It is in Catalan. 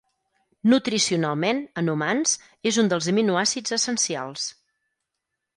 Nutricionalment, en humans, és un dels aminoàcids essencials.